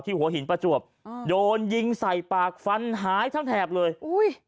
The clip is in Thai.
หัวหินประจวบอ่าโดนยิงใส่ปากฟันหายทั้งแถบเลยอุ้ย